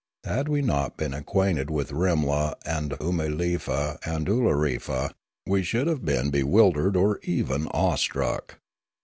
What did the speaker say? Had we not been acquainted with Rimla and Oomalefa and Oolorefa, we should have been bewildered or even awestruck.